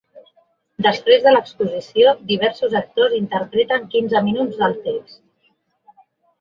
Després de l’exposició, diversos actors interpreten quinze minuts del text.